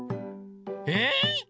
えっ！